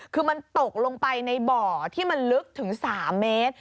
คือมันตกลงไปในบ่อที่มันลึกถึง๓เมตร